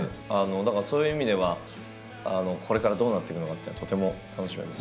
だからそういう意味ではこれからどうなっていくのかっていうのがとても楽しみです。